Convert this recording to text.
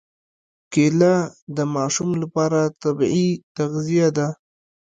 کېله د ماشو لپاره طبیعي تغذیه ده.